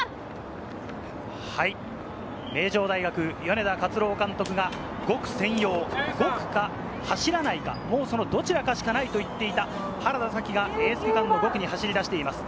名城大学・米田勝朗監督が５区専用、５区か、走らないか、どちらかしかないと言っていた原田紗希がエース区間の５区に走り出しています。